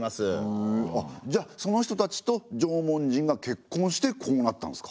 じゃあその人たちと縄文人がけっこんしてこうなったんすか？